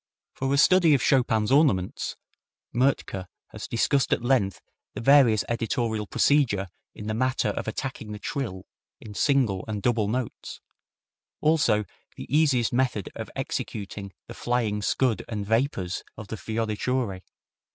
For a study of Chopin's ornaments, Mertke has discussed at length the various editorial procedure in the matter of attacking the trill in single and double notes, also the easiest method of executing the flying scud and vapors of the fioriture.